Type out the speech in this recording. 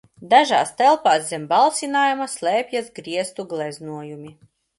Dažās telpās zem balsinājuma slēpjas griestu gleznojumi.